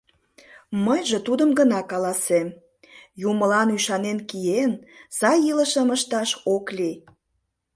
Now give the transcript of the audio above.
Мыйже тудым гына каласем: юмылан ӱшанен киен, сай илышым ышташ ок лий.